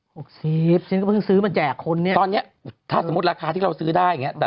หกสิบฉันก็เพิ่งซื้อมาแจกคนเนี้ยตอนเนี้ยถ้าสมมุติราคาที่เราซื้อได้อย่างเงี้แต่